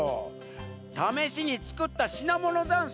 ためしにつくったしなものざんす。